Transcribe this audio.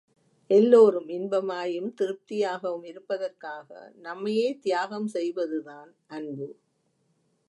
எல்லோரும் இன்பமாயும் திருப்தியாகவும் இருப்பதற்காக நம்மையே தியாகம் செய்வதுதான் அன்பு.